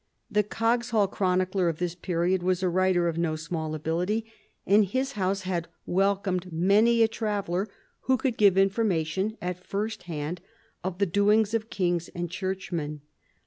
The Coggeshall chronicler of this period was a writer of no small ability, and his house had welcomed many a traveller who could give information at first hand of the doings of kings and churchmen.